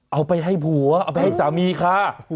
เอาไปให้ผัวเอาไปให้สามีค่ะ